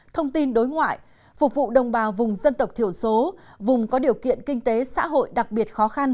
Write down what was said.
thông tin đối ngoại phục vụ đồng bào vùng dân tộc thiểu số vùng có điều kiện kinh tế xã hội đặc biệt khó khăn